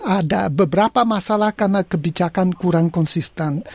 ada beberapa masalah karena kebijakan kurang konsisten